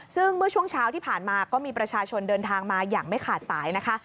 ซึ่งเมื่อช่วงเช้าที่ผ่านมาก็มีประชาชนเดินทางมาอย่างไม่ขาดสายนะคะ